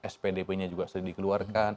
spdp nya juga sudah dikeluarkan